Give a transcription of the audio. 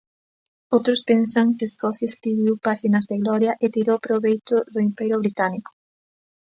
Outros pensan que Escocia escribiu páxinas de gloria e tirou proveito do Imperio británico.